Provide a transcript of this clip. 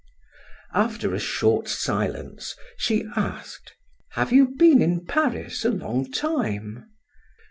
After a short silence, she asked: "Have you been in Paris a long time?"